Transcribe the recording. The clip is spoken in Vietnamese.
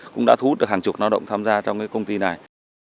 cũng đã thu hút được hàng chục lao động tham gia trong công ty này